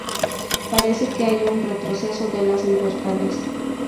Parece que hay un "retroceso de las libertades".